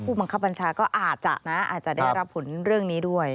บังคับบัญชาก็อาจจะนะอาจจะได้รับผลเรื่องนี้ด้วย